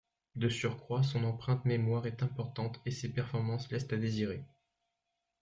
De surcroît son empreinte mémoire est importante et ses performances laissent à désirer.